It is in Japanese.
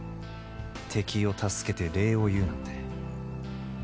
敵を助けて礼を言うなんて。